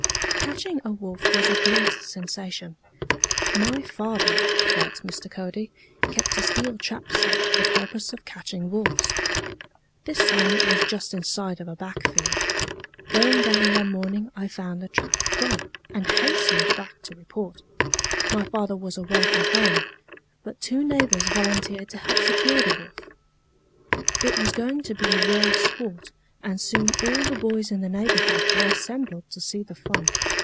Catching a wolf was a great sensation. "My father," writes Mr. Cody, "kept a steel trap set for the purpose of catching wolves. This time it was just inside of a back field. Going down one morning I found the trap gone, and hastened back to report. My father was away from home, but two neighbors volunteered to help secure the wolf. It was going to be rare sport, and soon all the boys in the neighborhood were assembled to see the fun.